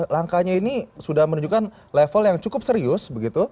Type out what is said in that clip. langkanya ini sudah menunjukkan level yang cukup serius